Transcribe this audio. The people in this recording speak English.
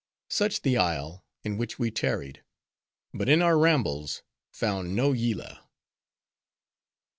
Such the isle, in which we tarried; but in our rambles, found no Yillah.